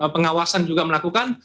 pengawasan juga melakukan